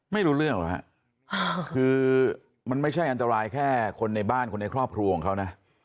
ไม่รู้เรื่องหรอกฮะคือมันไม่ใช่อันตรายแค่คนในบ้านคนในครอบครัวของเขานะ